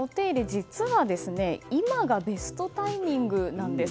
実は、今がベストタイミングなんです。